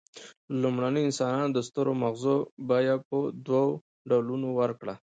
لومړنیو انسانانو د سترو مغزو بیه په دوو ډولونو ورکړه.